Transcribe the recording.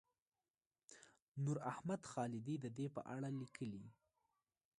نوراحمد خالدي د دې په اړه لیکلي.